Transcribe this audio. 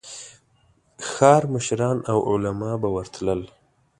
ښار مشران او علماء به ورتلل.